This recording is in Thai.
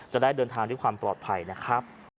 จะได้เดินทางด้วยความปลอดภัยนะครับ